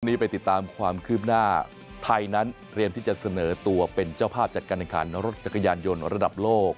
วันนี้ไปติดตามความคืบหน้าไทยนั้นเตรียมที่จะเสนอตัวเป็นเจ้าภาพจัดการแข่งขันรถจักรยานยนต์ระดับโลก